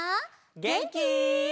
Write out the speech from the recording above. げんき？